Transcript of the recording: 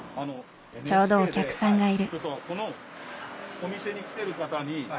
ちょうどお客さんがいる。